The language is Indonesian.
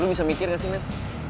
lo bisa mikir gak sih men